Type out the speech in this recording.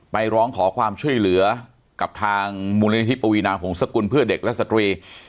ร้องขอความช่วยเหลือกับทางมูลนิธิปวีนาหงษกุลเพื่อเด็กและสตรี